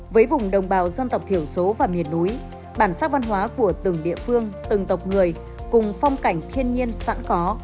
với vùng đồng bào dân tộc thiểu số và miền núi bản sắc văn hóa của từng địa phương từng tộc người cùng phong cảnh thiên nhiên sẵn có